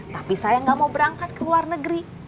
tapi saya nggak mau berangkat ke luar negeri